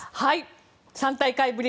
３大会ぶり